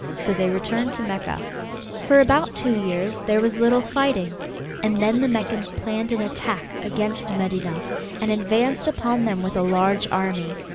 So they returned to Mecca. For about two years there was little fighting, and then the Meccans planned an attack against Medinah, and advanced upon it with a large army.